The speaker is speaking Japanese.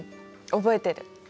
覚えてる。